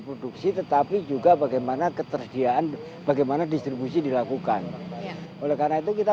produksi tetapi juga bagaimana ketersediaan bagaimana distribusi dilakukan oleh karena itu kita